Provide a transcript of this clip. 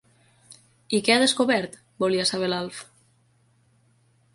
I què ha descobert? —volia saber l'Alf.